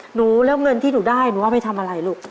หนูแล้วเงินที่หนูได้หนูเอาไปทำอะไรลูก